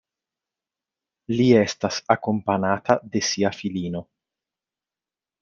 Li estas akompanata de sia filino.